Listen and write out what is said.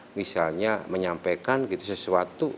misalnya menyampaikan sesuatu